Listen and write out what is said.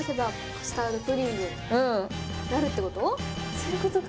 そういうことか。